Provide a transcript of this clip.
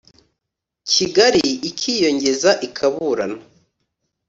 kigali ikiyongeza ikaburana